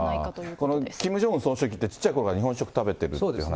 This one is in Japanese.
このキム・ジョンウン総書記ってちっちゃいころから日本食、そうですね。